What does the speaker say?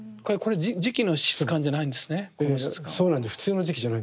普通の磁器じゃないんですね。